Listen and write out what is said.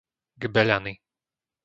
Gbeľany